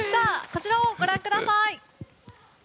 こちらをご覧ください。